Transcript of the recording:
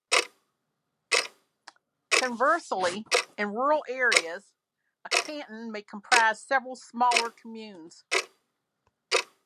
Conversely, in rural areas, a "canton" may comprise several smaller "communes".